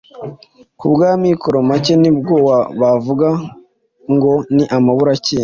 ku bw’amikoro make, ni bwo bavuga ngo “Ni amaburakindi